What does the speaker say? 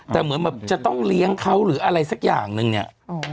แต่เหมือนแบบจะต้องเลี้ยงเขาหรืออะไรสักอย่างนึงเนี่ย